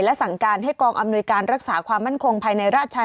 สั่งการให้กองอำนวยการรักษาความมั่นคงภายในราช